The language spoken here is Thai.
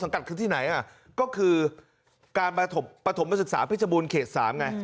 กัดคือที่ไหนก็คือการประถมศึกษาเพชรบูรณเขต๓ไง